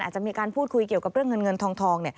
อาจจะมีการพูดคุยเกี่ยวกับเรื่องเงินเงินทอง